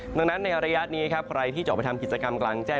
ดังนั้นในระยะนี้ครับใครที่จะออกไปทำกิจกรรมกลางแจ้ง